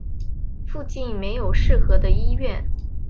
附近没有适合的医院